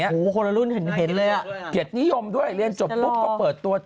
อย่างเงี้ยคนละรุ่นเป็นเห็นเลยอ่ะเกรดนิยมด้วยเพราะตัว